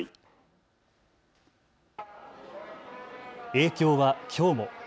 影響はきょうも。